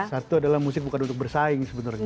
satu adalah musik bukan untuk bersaing sebenarnya